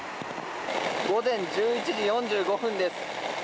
午前１１時４５分です。